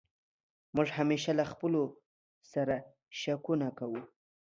موږ همېشه له خپلو سر شکونه کوو.